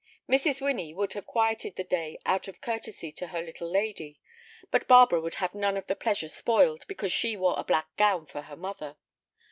Mrs. Winnie would have quieted the day out of curtesy to her "little lady," but Barbara would have none of their pleasure spoiled because she wore a black gown for her mother.